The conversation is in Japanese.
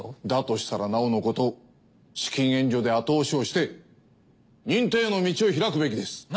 だとしたらなおのこと資金援助で後押しをして認定への道を開くべきです。